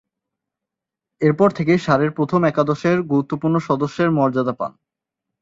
এরপর থেকেই সারের প্রথম একাদশের গুরুত্বপূর্ণ সদস্যের মর্যাদা পান।